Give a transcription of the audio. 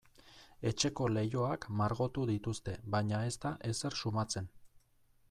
Etxeko leihoak margotu dituzte baina ez da ezer sumatzen.